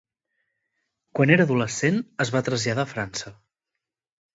Quan era adolescent, es va traslladar a França.